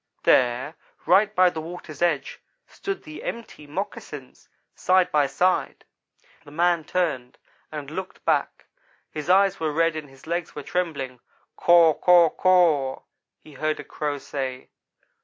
There, right by the water's edge, stood the empty moccasins, side by side. "The man turned and looked back. His eyes were red and his legs were trembling. 'Caw caw, caw,' he heard a Crow say.